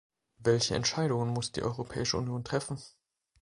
Welche Entscheidungen muss die Europäische Union treffen?